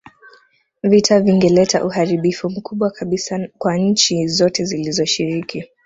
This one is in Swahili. Vita vingeleta uharibifu mkubwa kabisa kwa nchi zote zilizoshiriki